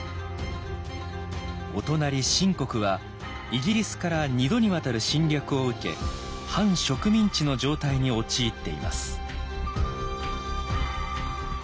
お隣清国はイギリスから２度にわたる侵略を受け半植民地の状態に陥っています。